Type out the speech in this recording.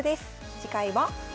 次回は？